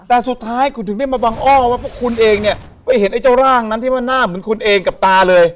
แต่สุดท้ายคุณถึงได้มาบังอ้อว่าพวกคุณเองเนี่ยไปเห็นไอ้เจ้าร่างนั้นที่ว่าหน้าเหมือนคุณเองกับตาเลย